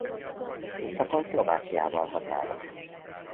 Északon Szlovákiával határos.